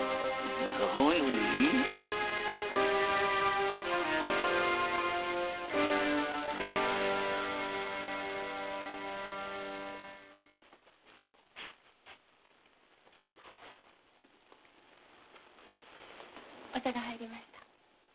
なに⁉お茶が入りました。